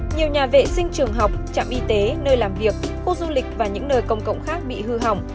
nhiều nhà vệ sinh trường học trạm y tế nơi làm việc khu du lịch và những nơi công cộng khác bị hư hỏng